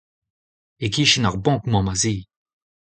E-kichen ar bank emañ ma zi.